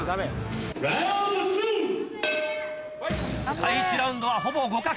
第１ラウンドはほぼ互角。